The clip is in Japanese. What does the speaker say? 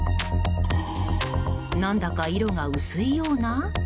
何だか色が薄いような？